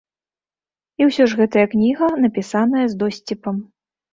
І ўсё ж гэтая кніга напісаная з досціпам.